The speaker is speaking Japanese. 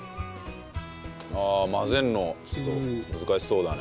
ああ混ぜるのちょっと難しそうだね。